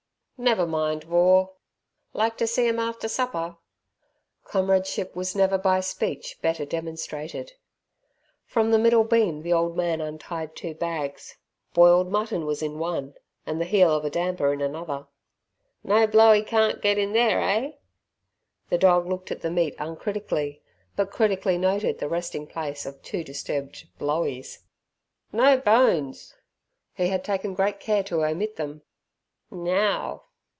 "Never mind, War; like ter see 'em after supper?" Comradeship was never by speech better demonstrated. From the middle beam the old man untied two bags. Boiled mutton was in one, and the heel of a damper in another. "No blowey carn't get in there, eh?" the dog looked at the meat uncritically, but critically noted the resting place of two disturbed "bloweys". "No bones!" He had taken great care to omit them. "Neow!"